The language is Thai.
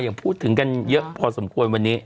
พูดถึงกันเยอะพอสมควรวันนี้